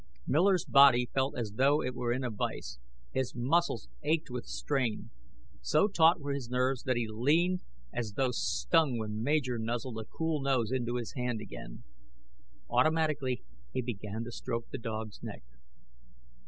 Miller's body felt as though it were in a vise. His muscles ached with strain. So taut were his nerves that he leaped as though stung when Major nuzzled a cool nose into his hand again. Automatically, he began to stroke the dog's neck.